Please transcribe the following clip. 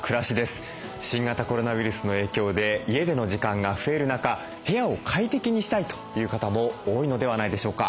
新型コロナウイルスの影響で家での時間が増える中部屋を快適にしたいという方も多いのではないでしょうか。